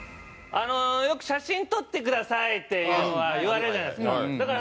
よく「写真撮ってください」っていうのは言われるじゃないですか。